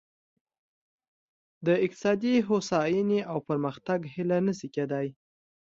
د اقتصادي هوساینې او پرمختګ هیله نه شي کېدای.